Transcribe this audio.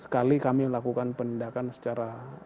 kali kami lakukan penindakan secara